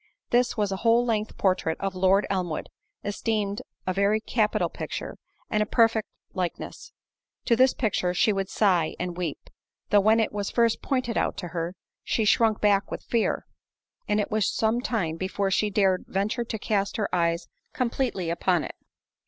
This was a whole length portrait of Lord Elmwood, esteemed a very capital picture, and a perfect likeness—to this picture she would sigh and weep; though when it was first pointed out to her, she shrunk back with fear, and it was some time before she dared venture to cast her eyes completely upon it.